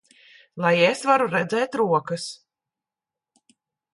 Lai es varu redzēt rokas!